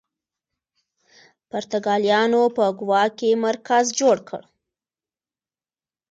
پرتګالیانو په ګوا کې مرکز جوړ کړ.